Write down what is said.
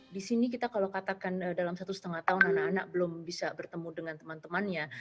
di sini kita kalau katakan dalam satu setengah tahun anak anak belum bisa bertemu dengan teman temannya